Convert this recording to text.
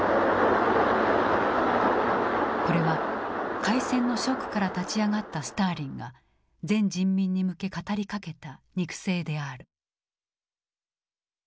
これは開戦のショックから立ち上がったスターリンが全人民に向け語りかけた肉声である。